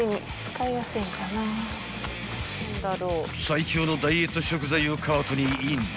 ［最強のダイエット食材をカートにイン］